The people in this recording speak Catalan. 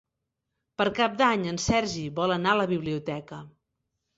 Per Cap d'Any en Sergi vol anar a la biblioteca.